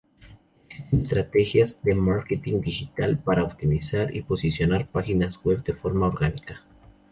Existen estrategias de marketing digital para optimizar y posicionar páginas web de forma orgánica.